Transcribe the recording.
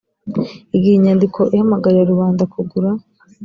igihe inyandiko ihamagarira rubanda kugura